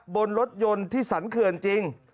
บนรถยนต์ที่สรรเขื่อนจริง